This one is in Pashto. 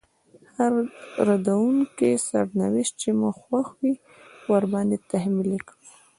هر دردونکی سرنوشت چې مو خوښ وي ورباندې تحميل کړئ.